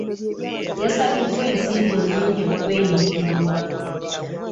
Yasabibwa ensimbi nnyingi okweyimirirwa.